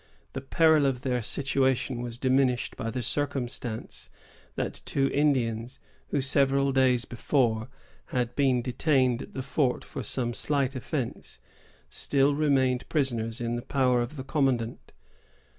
The peril of their situation was diminished by the circumstance that two Indians, who, several days before, had been detained at the fort for some slight offence, still remained prisoners in the power of the commandant.